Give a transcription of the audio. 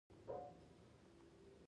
بېنډۍ له معدې درد سره مرسته کوي